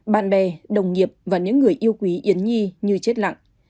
bạn bè đồng nghiệp và những người yêu quý yến nhi như chết lặng